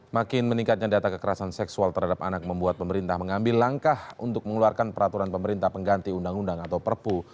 makin meningkatnya data kekerasan seksual terhadap anak membuat pemerintah mengambil langkah untuk mengeluarkan peraturan pemerintah pengganti undang undang atau perpu